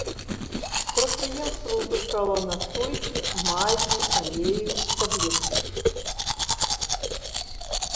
Прадпрыемства выпускала настойкі, мазі, алею і таблеткі.